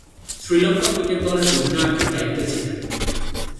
Sri Lanka cricket দলের অধিনায়কের দায়িত্বে ছিলেন।